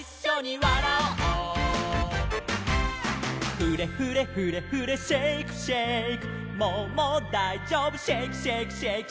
「フレフレフレフレシェイクシェイク」